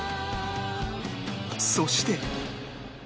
そして